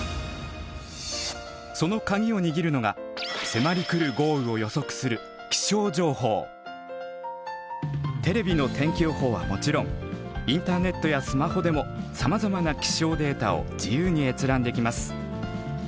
そのカギを握るのが迫り来る豪雨を予測するテレビの天気予報はもちろんインターネットやスマホでもさまざまな気象データを自由に閲覧できます。